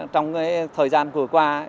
trong thời gian vừa qua